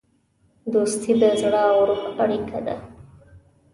دوستي د زړه او روح اړیکه ده.